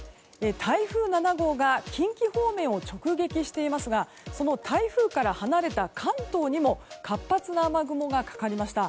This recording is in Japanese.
台風７号が近畿方面を直撃していますが台風から離れた関東にも活発な雨雲がかかりました。